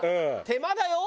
手間だよ。